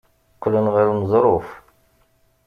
Qqlen ɣer uneẓruf.